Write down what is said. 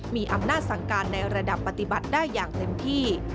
มีอำนาจสั่งการในระดับปฏิบัติได้อย่างเต็มที่